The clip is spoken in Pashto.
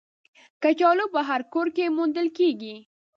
کچالو په هر کور کې موندل کېږي